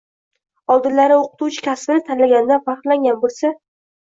Oldinlari o‘qituvchi kasbini tanlaganidan faxrlangan bo‘lsa